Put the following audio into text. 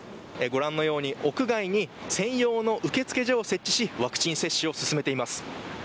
ご覧のように、屋外に専用の受け付け所を設置しワクチン接種を進めています。